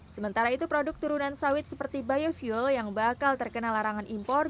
sementara itu produk turunan sawit seperti biofuel yang bakal terkena larangan impor